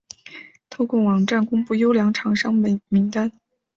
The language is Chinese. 透过网站公布优良厂商名单